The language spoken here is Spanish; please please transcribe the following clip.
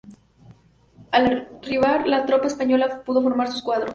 Al arribar, la tropa española pudo formar sus cuadros.